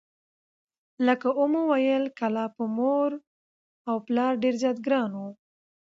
لکه ومو ویل کلاب په مور و پلار ډېر زیات ګران و،